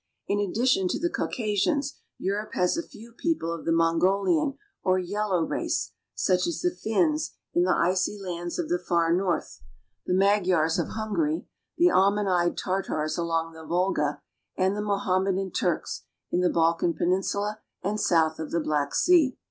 In addition to the Caucasians, Europe has a few people of the Mongolian or yellow race, such as the Finns in the ACROSS THE ATLANTIC TO EUROPE. II icy lands of the far north, the Magyars of Hungary, the almond eyed Tartars along, the Volga, and the Moham medan Turks in the Balkan Peninsula and south of the Black Sea.